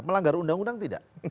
melanggar undang undang tidak